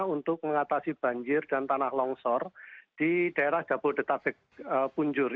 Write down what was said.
untuk mengatasi banjir dan tanah longsor di daerah jabodetabek punjur